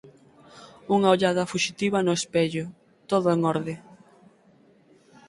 Unha ollada fuxitiva no espello, todo en orde.